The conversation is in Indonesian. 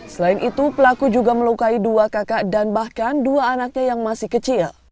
selain itu pelaku juga melukai dua kakak dan bahkan dua anaknya yang masih kecil